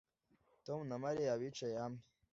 Tom na Mariya bicaye hamwe